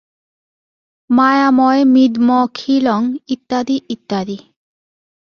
মায়াময়মিদমখিলং ইত্যাদি ইত্যাদি।